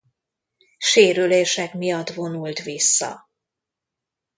Sérülések miatt vonult vissza.